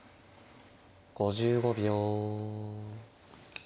５５秒。